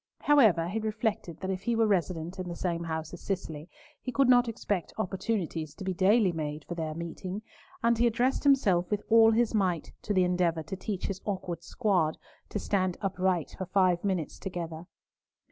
However, he reflected that if he were resident in the same house as Cicely he could not expect opportunities to be daily made for their meeting, and he addressed himself with all his might to the endeavour to teach his awkward squad to stand upright for five minutes together.